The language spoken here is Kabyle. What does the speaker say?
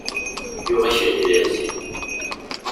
Yuɣ akal di laεzib